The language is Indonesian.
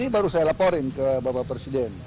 baru saya laporin ke bapak presiden